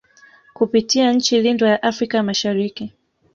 Kupitia nchi lindwa ya Afrika ya mashariki